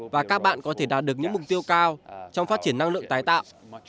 và các bạn có thể đạt được những mục tiêu cao trong phát triển năng lượng tái tạo